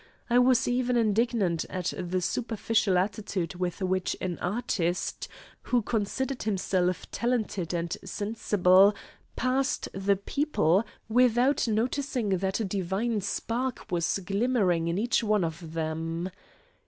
I was even indignant at the superficial attitude with which an artist, who considered himself talented and sensible, passed the people without noticing that a divine spark was glimmering in each one of them.